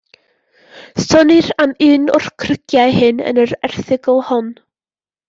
Sonnir am un o'r crugiau hyn yn yr erthygl hon.